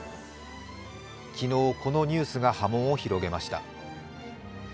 昨日、このニュースが波紋を広げました。